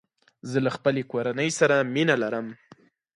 زه له خپلې کورني سره مینه لرم.